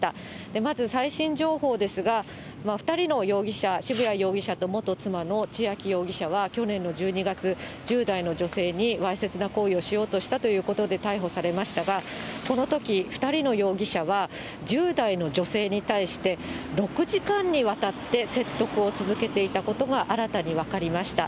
まず最新情報ですが、２人の容疑者、渋谷容疑者と元妻の千秋容疑者は去年の１２月、１０代の女性にわいせつな行為をしようとしたということで逮捕されましたが、このとき、２人の容疑者は、１０代の女性に対して、６時間にわたって説得を続けていたことが新たに分かりました。